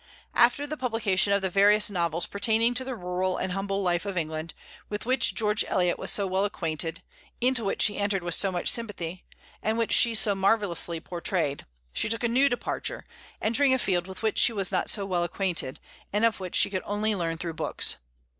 After the publication of the various novels pertaining to the rural and humble life of England, with which George Eliot was so well acquainted, into which she entered with so much sympathy, and which she so marvellously portrayed, she took a new departure, entering a field with which she was not so well acquainted, and of which she could only learn through books.